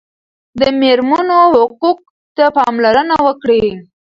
د مېرمنو حقوقو ته پاملرنه وکړئ.